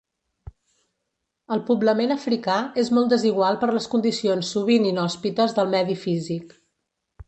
El poblament africà és molt desigual per les condicions sovint inhòspites del medi físic.